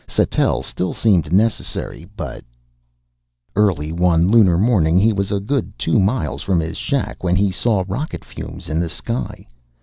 Sattell still seemed necessary, but Early one lunar morning he was a good two miles from his shack when he saw rocket fumes in the sky.